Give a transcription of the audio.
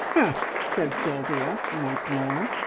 "Humph!" said Sylvia once more.